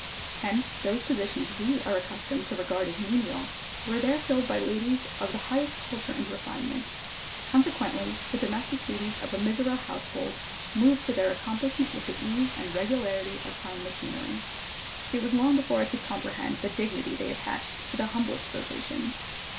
Hence those positions we are accustomed to regard as menial, were there filled by ladies of the highest culture and refinement; consequently the domestic duties of a Mizora household moved to their accomplishment with the ease and regularity of fine machinery. It was long before I could comprehend the dignity they attached to the humblest vocations.